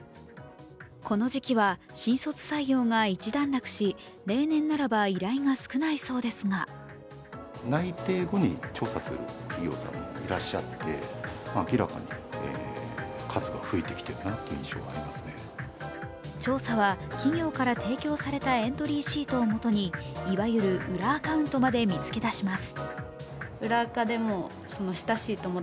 この時期は新卒採用が一段落し、例年ならば依頼が少ないそうですが調査は企業から提供されたエントリーシートをもとに、いわゆる裏アカウントまで見つけ出します。